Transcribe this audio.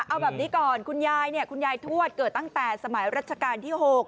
เอาแบบนี้ก่อนคุณยายเนี่ยคุณยายทวดเกิดตั้งแต่สมัยรัชกาลที่๖